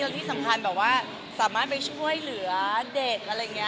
และที่สำคัญสภาพที่ไปช่วยเหลือเด็กด้วย